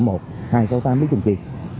hai trăm sáu mươi tám mỹ trường tri